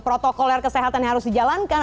protokol kesehatan yang harus dijalankan